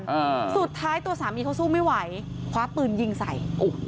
อ่าสุดท้ายตัวสามีเขาสู้ไม่ไหวคว้าปืนยิงใส่โอ้โห